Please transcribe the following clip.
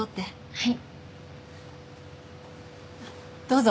はい。